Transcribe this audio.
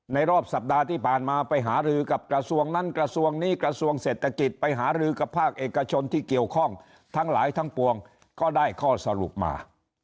รอบสัปดาห์ที่ผ่านมาไปหารือกับกระทรวงนั้นกระทรวงนี้กระทรวงเศรษฐกิจไปหารือกับภาคเอกชนที่เกี่ยวข้องทั้งหลายทั้งปวงก็ได้ข้อสรุปมา